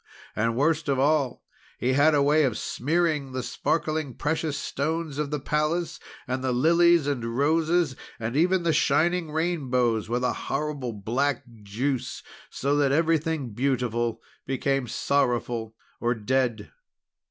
And worst of all, he had a way of smearing the sparkling precious stones of the palace, and the lilies and roses, and even the shining rainbows, with a horrible black juice, so that everything beautiful became sorrowful or dead.